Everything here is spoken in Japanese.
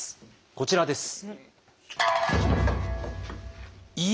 こちらです。